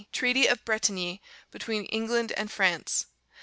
Treaty of Bretigny between England and France.